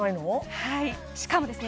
はいしかもですね